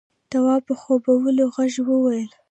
تواب په خوبولي غږ وويل: